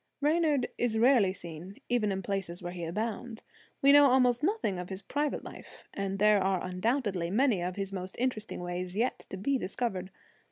Reynard is rarely seen, even in places where he abounds; we know almost nothing of his private life; and there are undoubtedly many of his most interesting ways yet to be discovered.